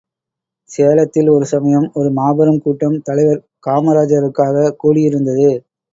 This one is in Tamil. சேலத்தில் ஒரு சமயம் ஒரு மாபெரும் கூட்டம் தலைவர் காமராசருக்காகக் கூடியிருந்தது.